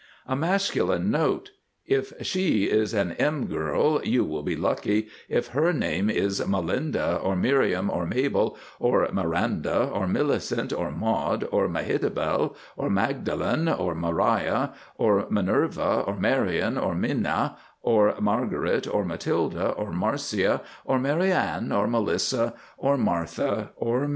A MASCULINE NOTE:—If SHE is an M girl you will be lucky if HER name is Malinda or Miriam or Mabel or Miranda or Melicent or Maud or Mehetabel or Magdalene or Maria or Minerva or Marion or Minna or Margaret or Matilda or Marcia or Marianne or Melissa or Martha or Mary.